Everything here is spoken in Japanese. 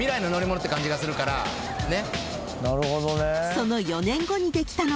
［その４年後にできたのが］